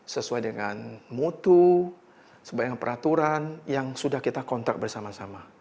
sesuai dengan mutu sebagai peraturan yang sudah kita kontrak bersama sama